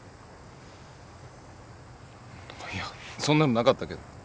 そんなのなかったけど。